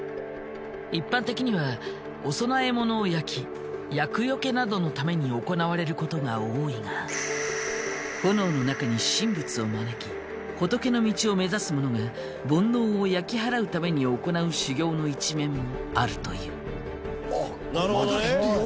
一般的にはお供えものを焼き厄よけなどのために行なわれることが多いが炎の中に神仏を招き仏の道を目指す者が煩悩を焼き払うために行なう修行の一面もあるという。